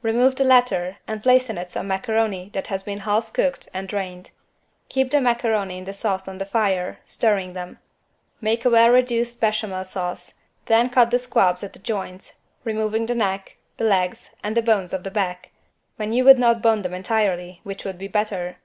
Remove the latter and place in it some macaroni that has been half cooked and drained. Keep the macaroni in the sauce on the fire, stirring them. Make a well reduced Béchamel sauce, then cut the squabs at the joints, removing the neck, the legs and the bones of the back, when you would not bone them entirely, which would be better.